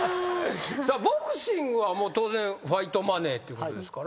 ボクシングは当然ファイトマネーってことですからね。